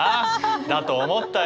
だと思ったよ！